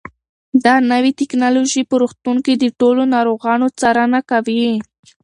دا نوې ټیکنالوژي په روغتونونو کې د ټولو ناروغانو څارنه کوي.